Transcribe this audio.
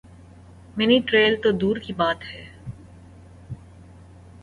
منی trail تو دور کی بات ہے۔